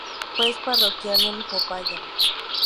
Juez parroquial en Popayán.